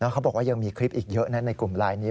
เขาบอกว่ายังมีคลิปอีกเยอะนะในกลุ่มไลน์นี้